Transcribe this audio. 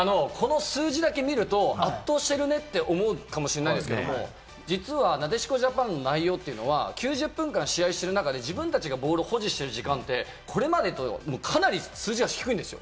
数字だけ見ると、圧倒してるなと思うかもしれないですけれど、実は、なでしこジャパンの内容というのは、９０分間、試合をしてる中で自分たちがボールを保持してる時間って、これまでとはかなり数字が低いんですよ。